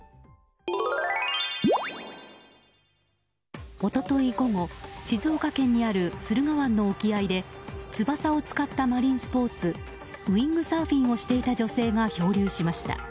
一昨日午後、静岡県にある駿河湾の沖合で翼を使ったマリンスポーツウィングサーフィンをしていた女性が漂流しました。